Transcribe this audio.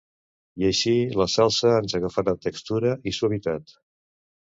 i així la salsa ens agafarà textura i suavitat